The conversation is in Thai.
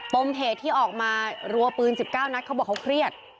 ปมเหตุที่ออกมารัวปืน๑๙นัดเขาบอกเขาเครียด